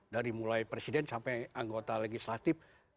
dari mulai presiden sampai anggota legislatif